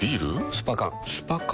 スパ缶スパ缶？